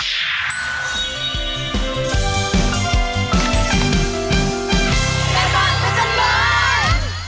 ดูด้วย